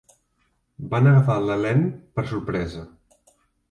Van agafar l"Helene per sorpresa.